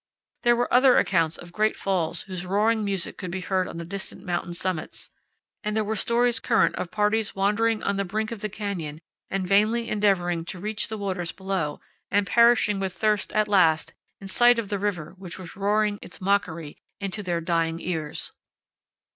There were other accounts of great falls whose roaring music could be heard on the distant mountain summits; and there were stories current of parties wandering on the brink of the canyon and vainly endeavoring to reach the waters below, and perishing with thirst at last in sight of the river which was roaring its mockery into their dying ears.